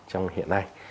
trong hiện nay